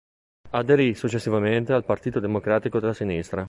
Aderì successivamente al Partito Democratico della Sinistra.